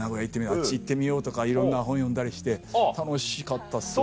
あっち行ってみようとかいろんな本読んだりして楽しかったっすわ。